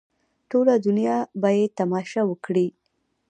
ټوله دنیا به یې تماشه وکړي.